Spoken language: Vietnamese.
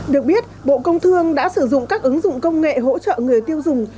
được biết bộ công thương đã sử dụng các ứng dụng công nghệ hỗ trợ người tiêu dùng